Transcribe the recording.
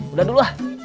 udah dulu lah